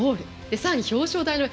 さらに表彰台の上。